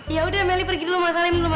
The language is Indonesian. ya udah meli pergi dulu ma salim dulu ma